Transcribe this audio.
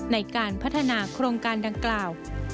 ในการพัฒนาโครงการดังกล่าว